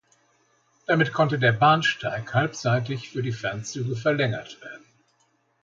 Damit konnte der Bahnsteig halbseitig für die Fernzüge verlängert werden.